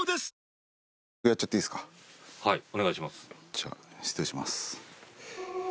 じゃあ失礼します。